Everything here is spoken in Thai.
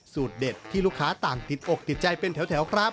เด็ดที่ลูกค้าต่างติดอกติดใจเป็นแถวครับ